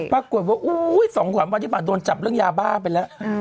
ปรากฏว่า๒๓วันที่มาโดนจับเรื่องยาบ้าไปแล้ว